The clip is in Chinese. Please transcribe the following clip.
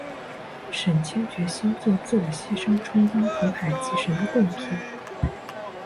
沈清决心作自我牺牲充当投海祭神的供品。